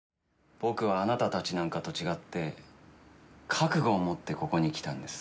僕はあなたたちなんかと違って覚悟を持ってここに来たんです。